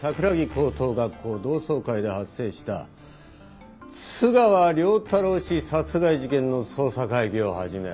高等学校同窓会で発生した津川亮太郎氏殺害事件の捜査会議を始める。